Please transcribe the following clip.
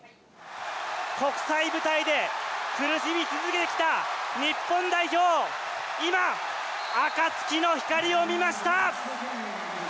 国際舞台で苦しみ続けてきた日本代表今暁の光を見ました。